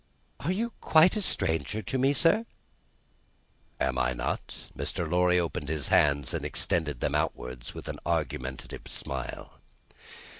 "Are you quite a stranger to me, sir?" "Am I not?" Mr. Lorry opened his hands, and extended them outwards with an argumentative smile.